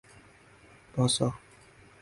باسا